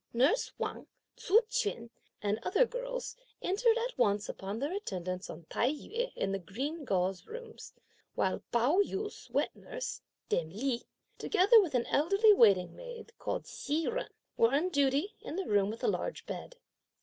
Nurse Wang, Tzu Chüan and other girls entered at once upon their attendance on Tai yü in the green gauze rooms, while Pao yü's wet nurse, dame Li, together with an elderly waiting maid, called Hsi Jen, were on duty in the room with the large bed.